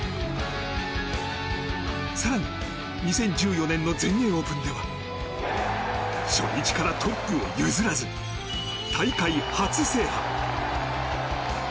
更に、２０１４年の全英オープンでは初日からトップを譲らず大会初制覇。